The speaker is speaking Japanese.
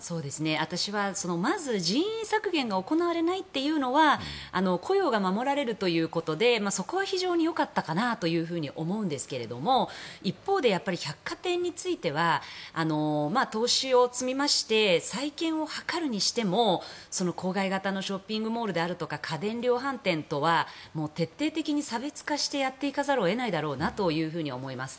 私はまず人員削減が行われないというのは雇用が守られるということでそこは非常によかったかなと思うんですけれども一方で、百貨店については投資を積み増して再建を図るにしても郊外型のショッピングモールであるとか家電量販店とは徹底的に差別化してやっていかざるを得ないだろうなと思います。